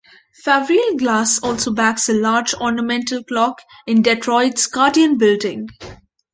Favrile glass also backs a large ornamental clock in Detroit's Guardian Building.